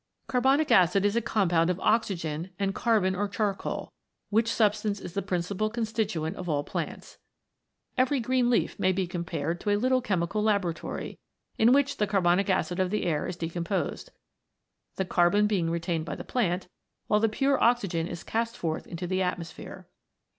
Carbonic acid is a compound of oxygen and carbon or charcoal, which substance is the principal constituent of all plants. Every green leaf may be compared to a little che mical laboratory, in which the carbonic acid of the air is decomposed, the carbon being retained by the plant, while the pure oxygen is cast forth into the atmosphere.